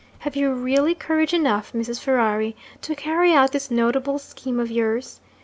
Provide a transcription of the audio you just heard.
Have you really courage enough, Mrs. Ferrari, to carry out this notable scheme of yours?